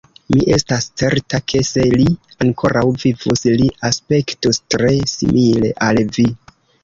Mi estas certa, ke, se li ankoraŭ vivus, li aspektus tre simile al vi.